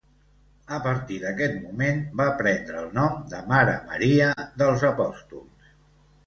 A partir d'aquest moment, va prendre el nom de Mare Maria dels Apòstols.